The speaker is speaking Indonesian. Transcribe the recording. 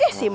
ih sih mak